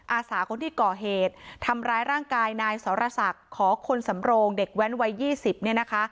อาสาคนที่ก่อเหตุทำร้ายร่างกายนายสรศักดิ์ขอคนสำโรงเด็กแว้นวัย๒๐เนี่ยนะคะ